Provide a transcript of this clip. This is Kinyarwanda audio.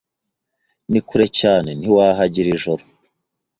Ni kure cyane ntitwahajya iri joro.